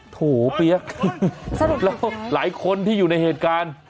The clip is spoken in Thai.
โถเปี๊ยกสรุปแล้วหลายคนที่อยู่ในเหตุการณ์